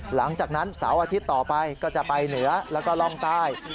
หลังจากนั้นเสาร์อาทิตย์ต่อไปก็จะไปเหนือแล้วก็ร่องใต้